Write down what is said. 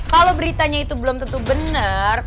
kalau beritanya itu belum tentu benar